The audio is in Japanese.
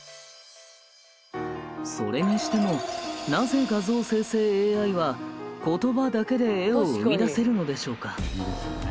それにしてもなぜ画像生成ＡＩは言葉だけで絵を生み出せるのでしょうか？